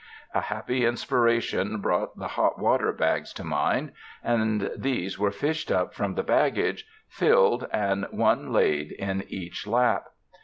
A happy inspiration brought the hot water bags to mind, and these wore fished up from the baggage, filled, and one laid in each lap.